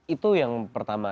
itu yang pertama